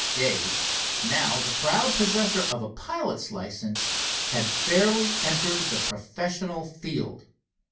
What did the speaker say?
Dave was now the proud possessor of a pilot's license, and had fairly entered the professional field.